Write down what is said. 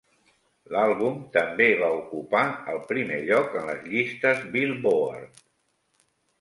L'àlbum també va ocupar el primer lloc en les llistes Billboard.